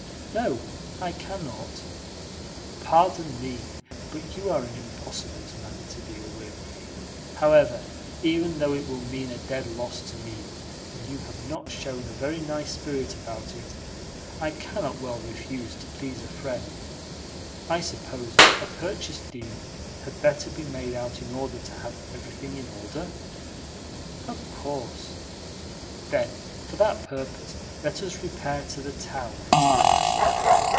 "No, I cannot." "Pardon me, but you are an impossible man to deal with. However, even though it will mean a dead loss to me, and you have not shown a very nice spirit about it, I cannot well refuse to please a friend. I suppose a purchase deed had better be made out in order to have everything in order?" "Of course." "Then for that purpose let us repair to the town."